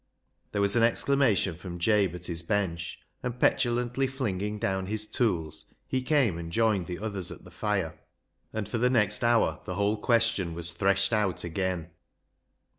There was an exclamation from Jabe at his bench, and petulantly flinging down his tools, he came and joined the others at the fire, and LIGE'S LEGACY 187 for the next hour the whole question was threshed out again.